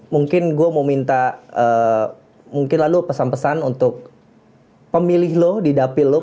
mungkin gue mau minta mungkin lalu pesan pesan untuk pemilih lo di dapil lo